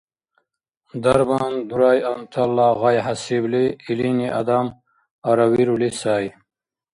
Дарман дурайантала гъай хӀясибли, илини адам аравирули сай